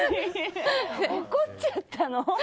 怒っちゃったの？